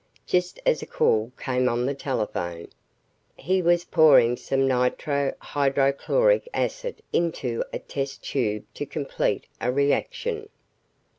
Just as a call came on the telephone, he was pouring some nitro hydrochloric acid into a test tube to complete a reaction.